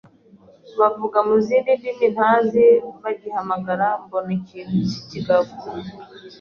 bavuga mu zindi ndimi ntazi bagihamagara mbona ikintu k’ikigabo